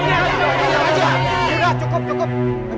lebih baik kalian bubar